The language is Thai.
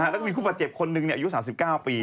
แล้วก็มีผู้บาดเจ็บคนหนึ่งอายุ๓๙ปี